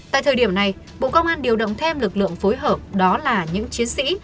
tại thời điểm này bộ công an điều động thêm lực lượng phối hợp đó là những chiến sĩ